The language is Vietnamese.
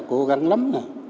cố gắng lắm